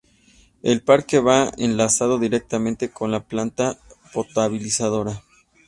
El parque va enlazado directamente con la planta potabilizadora.